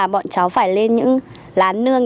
bọn cháu phải lên những lá nương